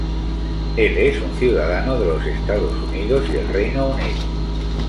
Él es un ciudadano de los Estados Unidos y el Reino Unido.